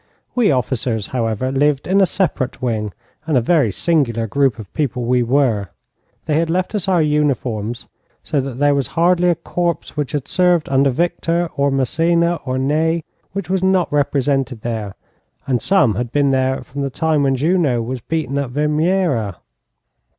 We officers, however, lived in a separate wing, and a very singular group of people we were. They had left us our uniforms, so that there was hardly a corps which had served under Victor, or Massena, or Ney, which was not represented there, and some had been there from the time when Junot was beaten at Vimiera.